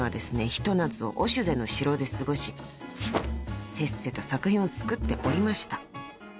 一夏をオシュデの城で過ごしせっせと作品を作っておりました］